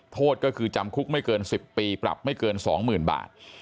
โทษก็คือจำคุกไม่เกิน๑๐ปีปรับไม่เกิน๒๐๐๐บาท